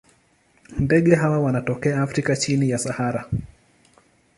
Ndege hawa wanatokea Afrika chini ya Sahara.